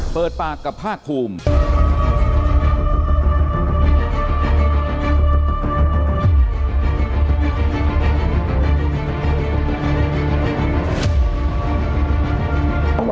เปิดปากกับภาคภูมิ